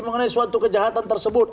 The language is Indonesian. mengenai suatu kejahatan tersebut